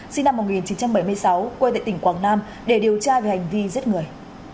sinh năm một nghìn chín trăm bảy mươi sáu quê tại tỉnh quảng nam để điều tra về hành vi giết người